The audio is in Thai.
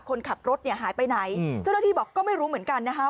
คนขับรถเนี่ยหายไปไหนเจ้าหน้าที่บอกก็ไม่รู้เหมือนกันนะคะ